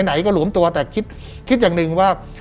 ไหนก็หลวมตัวแต่คิดอย่างหนึ่งว่า